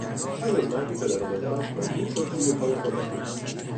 پس از مرگ پدر و مادرش مجبور شد روی پای خودش بایستد.